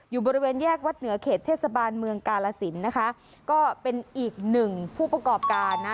อยู่บริเวณแยกวัดเหนือเขตเทศบาลเมืองกาลสินนะคะก็เป็นอีกหนึ่งผู้ประกอบการนะ